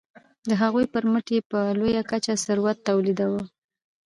د هغوی پرمټ یې په لویه کچه ثروت تولیداوه.